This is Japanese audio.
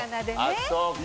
あっそうか。